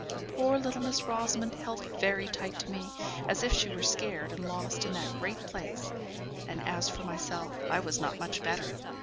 Poor little Miss Rosamond held very tight to me, as if she were scared and lost in that great place; and as for myself, I was not much better.